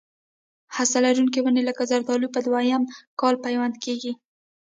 هسته لرونکي ونې لکه زردالو په دوه یم کال پیوند کېږي.